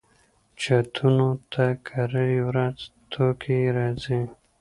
چتونو ته کرۍ ورځ توتکۍ راځي